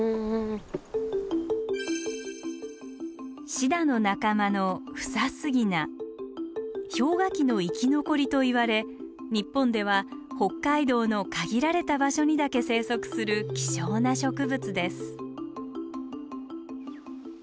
シダの仲間の氷河期の生き残りといわれ日本では北海道の限られた場所にだけ生息する希少な植物です。